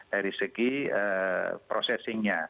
dari segi prosesinya